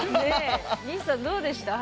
西さんどうでした？